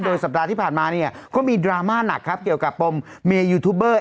สัปดาห์ที่ผ่านมาเนี่ยก็มีดราม่าหนักครับเกี่ยวกับปมเมยูทูบเบอร์